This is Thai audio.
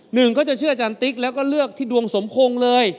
หนึ่งก็จะเชื่ออาจารย์ติ๊กแล้วก็เลือกที่ดวงสมพงษ์เลย